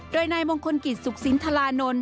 โดยในมงคลกิจศุกษินทรานนท์